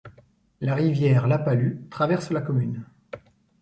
La rivière La Palu traverse la commune.